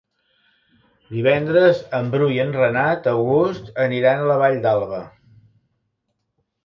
Divendres en Bru i en Renat August aniran a la Vall d'Alba.